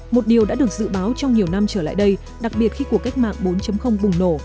một điều đã được dự báo trong nhiều năm trở lại đây đặc biệt khi cuộc cách mạng bốn bùng nổ